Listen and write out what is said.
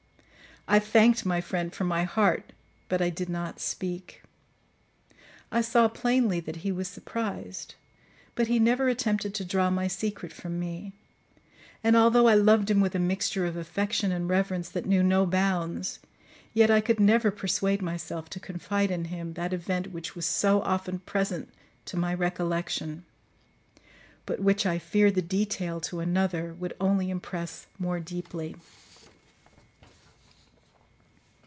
I thanked my friend from my heart, but I did not speak. I saw plainly that he was surprised, but he never attempted to draw my secret from me; and although I loved him with a mixture of affection and reverence that knew no bounds, yet I could never persuade myself to confide in him that event which was so often present to my recollection, but which I feared the detail to another would only impress more deeply.